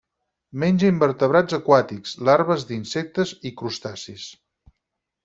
Menja invertebrats aquàtics, larves d'insectes i crustacis.